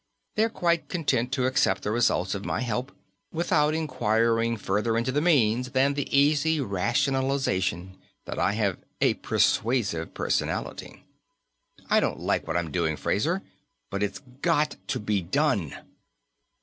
They're quite content to accept the results of my help, without inquiring further into the means than the easy rationalization that I have a 'persuasive personality.' "I don't like what I'm doing, Fraser. But it's got to be done."